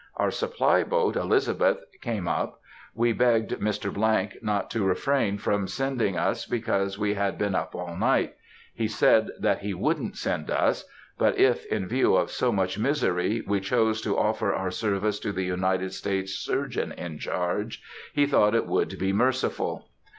Our supply boat Elizabeth came up. We begged Mr. —— not to refrain from sending us because we had been up all night; he said that he wouldn't send us, but if, in view of so much misery, we chose to offer our services to the United States surgeon in charge, he thought it would be merciful.